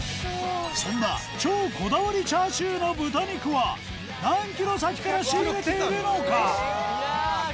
そんな超こだわりチャーシューの豚肉は何ｋｍ先から仕入れているのか？